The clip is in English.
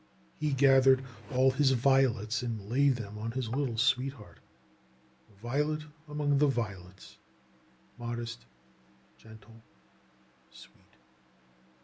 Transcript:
He gathered all his violets and Imd them on his little sweetheart — a violet among the violets, mod est, gentle, sweet.